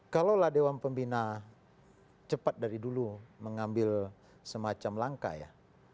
kalau lah dewan pembina cepat dari dulu mengambil semacam langkah ya